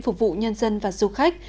phục vụ nhân dân và du khách